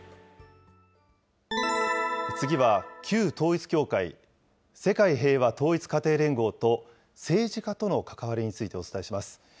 次は、旧統一教会、世界平和統一家庭連合と、政治家との関わりについてお伝えします。